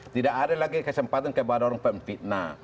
tidak ada lagi kesempatan kepada orang pempitnah